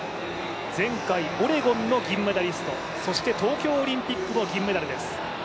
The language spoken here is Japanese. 前回オレゴンの銀メダリスト、そして東京オリンピックも銀メダルです。